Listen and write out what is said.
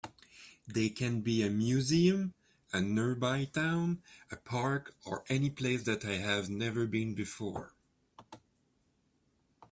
They can be a museum, a nearby town, a park, or any place that I have never been before.